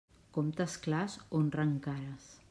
Comptes clars, honren cares.